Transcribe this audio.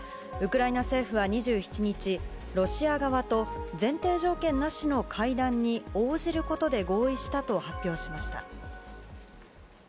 ウクライナ政府は２７日ロシア側と前提条件なしの会談に応じることで合意したと発表しました。